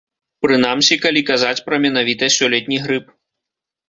Прынамсі, калі казаць пра менавіта сёлетні грып.